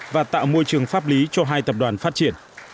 và tạo môi trường pháp lý cho hai tập đoàn phát triển